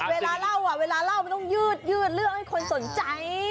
เวลาเล่าเวลาเล่ามันต้องยืดเรื่องให้คนสนใจ